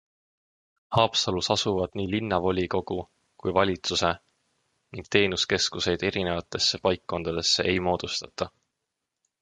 Haapsalus asuvad nii linnavolikogu kui -valitsuse ning teenuskeskuseid erinevatesse paikkondadesse ei moodustata.